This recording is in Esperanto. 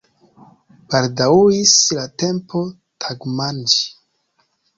Baldaŭis la tempo tagmanĝi.